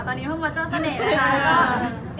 ตอนนี้พอมึงจะเสน่ห์นะครับ